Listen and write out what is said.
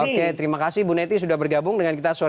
oke terima kasih bu neti sudah bergabung dengan kita